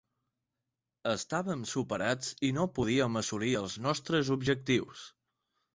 Estàvem superats i no podíem assolir els nostres objectius.